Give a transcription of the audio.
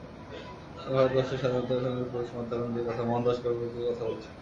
আমি ভারতবর্ষের স্বাধীনতাসংগ্রামের প্রাণপুরুষ মহাত্মা গান্ধী, তথা মোহনদাস করমচাঁদ গান্ধীর কথা বলছি।